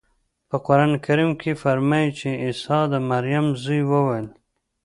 په قرانکریم کې فرمایي چې عیسی د مریم زوی وویل.